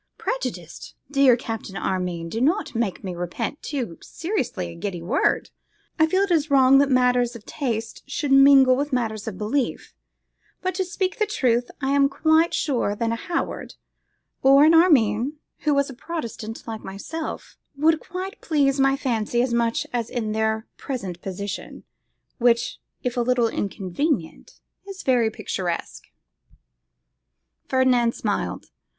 'Prejudiced! Dear Captain Armine, do not make me repent too seriously a giddy word. I feel it is wrong that matters of taste should mingle with matters of belief; but, to speak the truth, I am not quite sure that a Howard, or an Armine, who was a Protestant, like myself, would quite please my fancy so much as in their present position, which, if a little inconvenient, is very picturesque.' Ferdinand smiled.